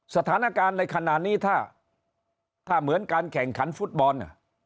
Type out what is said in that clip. สถานการณ์ในขณะนี้ถ้าเหมือนการแข่งขันฟุตบอล